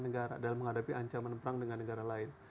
negara dalam menghadapi ancaman perang dengan negara lain